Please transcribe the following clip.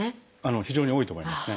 非常に多いと思いますね。